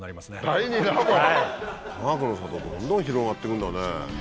かがくの里どんどん広がって行くんだねぇ。